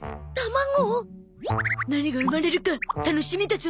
何が生まれるか楽しみだゾ。